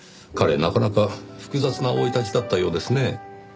彼なかなか複雑な生い立ちだったようですねぇ。